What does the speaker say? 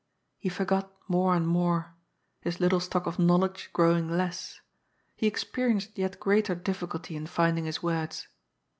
He forgot more and more, his little stock of knowledge growing less — he experienced yet greater difiUculty in finding his words.